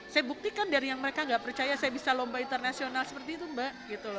saya buktikan dari yang mereka nggak percaya saya bisa lomba internasional seperti itu mbak